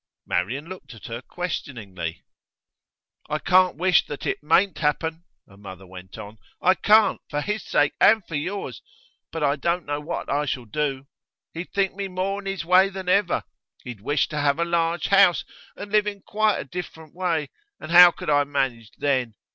Marian looked at her questioningly. 'I can't wish that it mayn't happen,' her mother went on; 'I can't, for his sake and for yours; but I don't know what I shall do. He'd think me more in his way than ever. He'd wish to have a large house, and live in quite a different way; and how could I manage then?